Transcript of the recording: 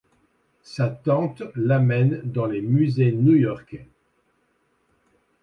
Sa tante l’amène dans les Musées New-Yorkais.